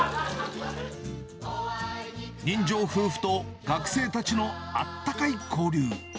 人情夫婦と学生たちのあったかい交流。